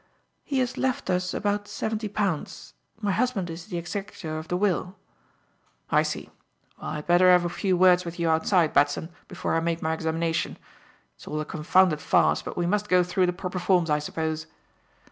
"He has left us about seventy pounds. My husband is the executor of the will." "I see. Well, I'd better have a few words with you outside, Batson, before I make my examination. It's all a confounded farce, but we must go through the proper forms, I suppose."